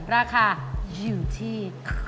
ราคาอยู่ที่